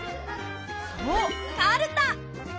そうかるた！